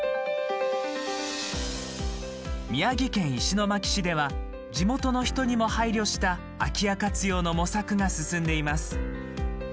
宮城県石巻市では地元の人にも配慮した空き家活用の模索が進んでいます。